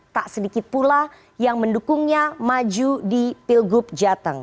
tak sedikit pula yang mendukungnya maju di pilgub jateng